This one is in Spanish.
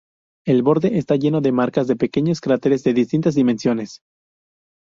El borde está lleno de marcas de pequeños cráteres de distintas dimensiones.